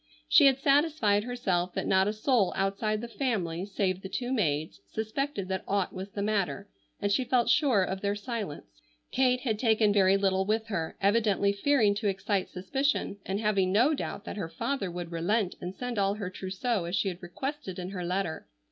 She had satisfied herself that not a soul outside the family save the two maids suspected that aught was the matter, and she felt sure of their silence. Kate had taken very little with her, evidently fearing to excite suspicion, and having no doubt that her father would relent and send all her trousseau as she had requested in her letter.